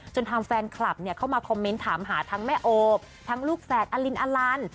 ทำแฟนคลับเข้ามาคอมเมนต์ถามหาทั้งแม่โอบทั้งลูกแฝดอลินอลัน